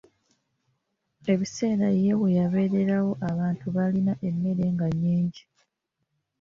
Ebiseera ye weyabeererawo abantu baalina emmere nga nnyingi.